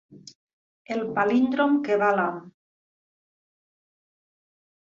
El palíndrom que va a l'ham.